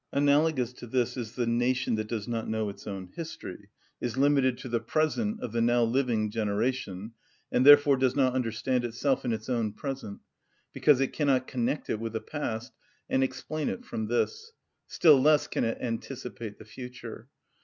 Analogous to this is the nation that does not know its own history, is limited to the present of the now living generation, and therefore does not understand itself and its own present, because it cannot connect it with a past, and explain it from this; still less can it anticipate the future.